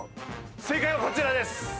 正解はこちらです。